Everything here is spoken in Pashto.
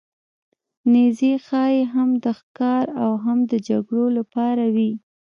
نیزې ښايي هم د ښکار او هم د جګړو لپاره وې.